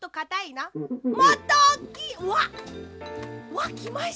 わっきました！